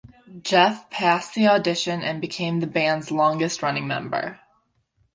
Jeff passed the audition and became the band's longest-running member.